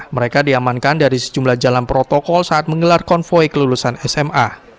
mereka diamankan dari sejumlah jalan protokol saat menggelar konvoy kelulusan sma